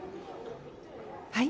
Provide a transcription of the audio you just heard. はい？